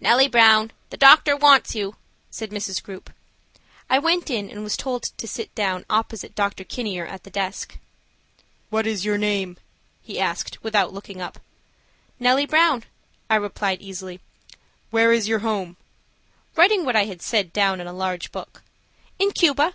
"NELLIE BROWN, the doctor wants you," said Miss Grupe. I went in and was told to sit down opposite Dr. Kinier at the desk. "What is your name?" he asked, without looking up. "Nellie Brown," I replied easily. "Where is your home?" writing what I had said down in a large book. "In Cuba."